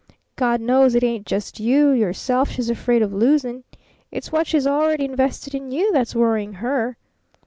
God knows it ain't just you, yourself, she's afraid of losing. It's what she's already invested in you that's worrying her!